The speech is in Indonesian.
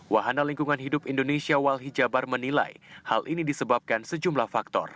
wahana lingkungan hidup indonesia walhi jabar menilai hal ini disebabkan sejumlah faktor